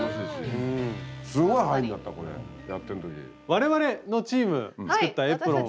我々のチーム作ったエプロン。